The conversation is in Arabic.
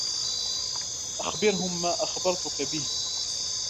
أخبرهم ما أخبرتك بهِ.